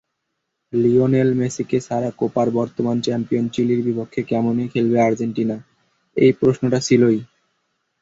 Lionel মেসিকে ছাড়া কোপার বর্তমান চ্যাম্পিয়ন চিলির বিপক্ষে কেমন খেলবে আর্জেন্টিনা—এই প্রশ্নটা ছিলই।